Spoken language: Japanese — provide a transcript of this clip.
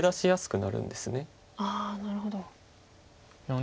なるほど。